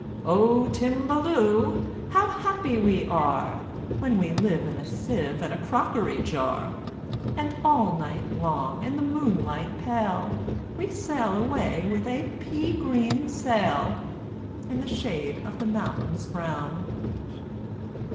"O Timballoo! How happy we are When we live in a sieve and a crockery jar! And all night long, in the moonlight pale, We sail away with a pea green sail In the shade of the mountains brown."